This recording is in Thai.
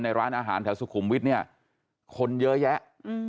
ร้านอาหารแถวสุขุมวิทย์เนี่ยคนเยอะแยะ